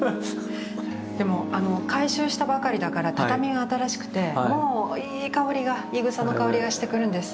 改修したばかりだから畳が新しくてもういい香りがいぐさの香りがしてくるんです。